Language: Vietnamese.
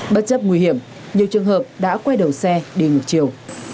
bất chấp nguy hiểm nhiều trường hợp đã quay đầu xe đi ngược chiều